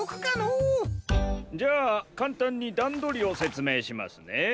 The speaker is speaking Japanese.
じゃあかんたんにだんどりをせつめいしますね。